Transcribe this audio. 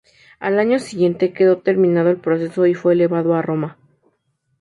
Al año siguiente quedó terminado el proceso y fue elevado a Roma.